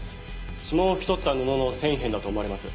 指紋をふき取った布の繊維片だと思われます。